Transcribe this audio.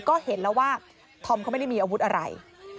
ก็เห็นแล้วว่าธอมเขาไม่ได้มีอาวุธอะไร